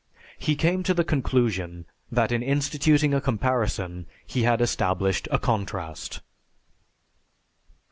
He came to the conclusion that in instituting a comparison he had established a contrast.